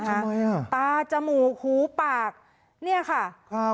เฮ้ยทำไมอ่ะตาจมูกหูปากเนี้ยค่ะครับ